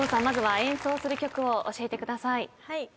まずは演奏する曲を教えてください。